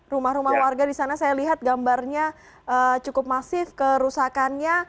rumah rumah warga di sana saya lihat gambarnya cukup masif kerusakannya